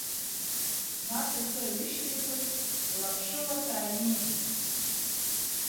Нас ихы ҩышьҭихын, лаԥшыла сааимидеит.